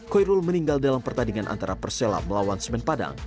koirul meninggal dalam pertandingan antara persela melawan semen padang